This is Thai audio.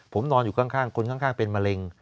ผมนอนอยู่ข้างคนข้างเป็นมะเร็ง